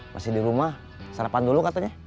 masih di rumah sarapan dulu katanya